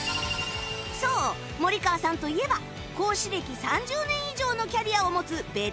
そう森川さんといえば講師歴３０年以上のキャリアを持つベテラン講師！